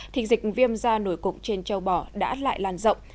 thì dịch viêm da nổi cục trên châu bò đã lại lan rộng